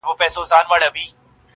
نعمتونه وه پرېمانه هر څه ښه وه -